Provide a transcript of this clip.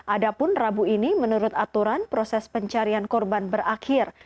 adapun rabu ini menurut aturan proses pencarian korban berakhir